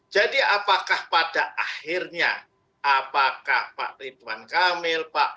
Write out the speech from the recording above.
jadi apakah pada akhirnya apakah pak ridwan kamil pak